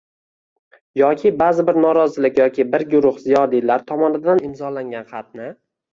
yoki ba’zi bir norozilik yoki bir guruh ziyolilar tomonidan imzolangan xatni